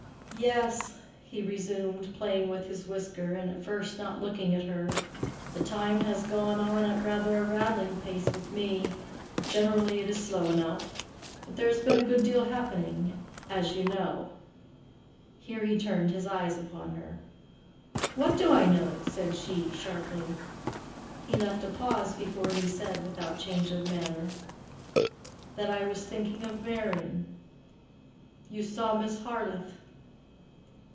"Yes," he resumed, playing with his whisker, and at first not looking at her, "the time has gone on at rather a rattling pace with me; generally it is slow enough. But there has been a good deal happening, as you know"—here he turned his eyes upon her. "What do I know?" said she, sharply. He left a pause before he said, without change of manner, "That I was thinking of marrying. You saw Miss Harleth?"